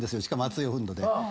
しかも熱い温度で。